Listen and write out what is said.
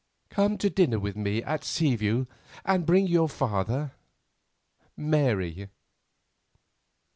"Come to dinner with me at Seaview, and bring your father.—Mary."